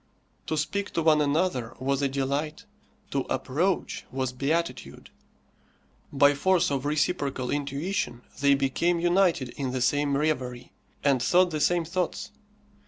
To speak to one another was a delight, to approach was beatitude; by force of reciprocal intuition they became united in the same reverie, and thought the same thoughts.